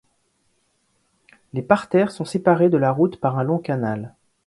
Les parterres sont séparés de la route par un long canal.